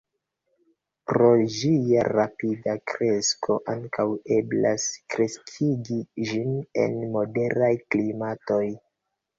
Pro ĝia rapida kresko ankaŭ eblas kreskigi ĝin en moderaj klimatoj.